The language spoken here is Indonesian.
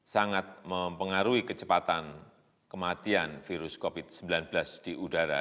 sangat mempengaruhi kecepatan kematian virus covid sembilan belas di udara